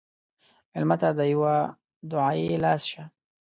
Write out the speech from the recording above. مېلمه ته د یوه دعایي لاس شه.